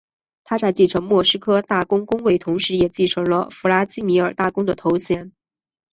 他在继承莫斯科大公公位同时也继承了弗拉基米尔大公的头衔。